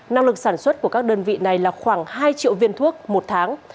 năng lực sản xuất của các đơn vị này là khoảng hai triệu viên thuốc một tháng